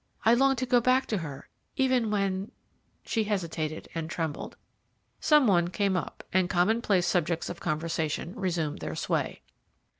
I long to go back to her even when " She hesitated and trembled. Some one came up, and commonplace subjects of conversation resumed their sway.